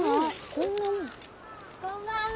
こんばんは。